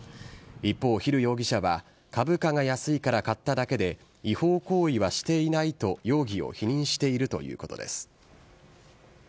一方、ヒル容疑者は、株価が安いから買っただけで、違法行為はしていないと容疑を否認しているということです。